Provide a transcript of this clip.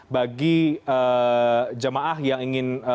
bagi jemaah yang ingin